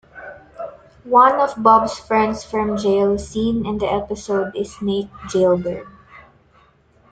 One of Bob's friends from jail seen in the episode is Snake Jailbird.